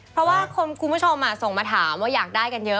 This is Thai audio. เพราะว่าคุณผู้ชมส่งมาถามว่าอยากได้กันเยอะ